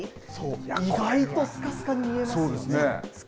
意外とすかすかに見えますよね。